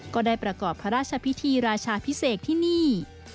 ก็ได้ประกอบพระราชพิธีราชาพิเศษที่นี่